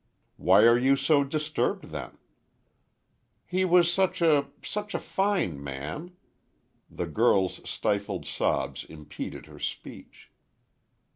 "Why are you so disturbed then?" "He was such a—such a fine man—" the girl's stifled sobs impeded her speech.